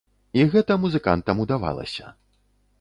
І гэта музыкантам удавалася.